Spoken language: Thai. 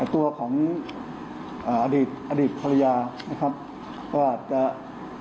ตัวของอดีตอดีตภรรยานะครับก็อาจจะ